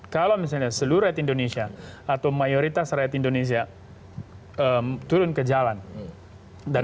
kalau misalnya seluruh rakyat indonesia atau mayoritas rakyat indonesia turun ke jalan dan